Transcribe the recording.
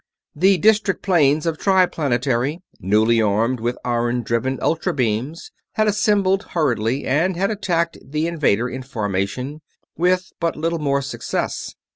The district planes of Triplanetary, newly armed with iron driven ultra beams, had assembled hurriedly and had attacked the invader in formation, with but little more success.